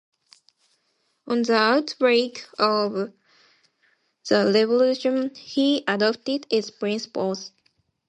On the outbreak of the Revolution he adopted its principles.